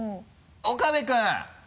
岡部君！